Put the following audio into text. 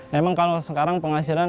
memang kalau sekarang penghasilan